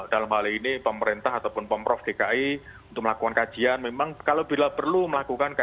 dalam hal ini pemerintah ataupun pemprov dki untuk melakukan kajian memang kalau bila perlu melakukan